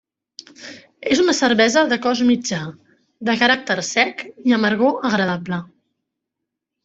És una cervesa de cos mitjà, de caràcter sec i amargor agradable.